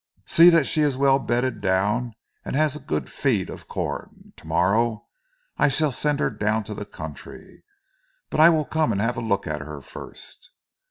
See that she is well bedded down and has a good feed of corn. To morrow I shall send her down to the country, but I will come and have a look at her first."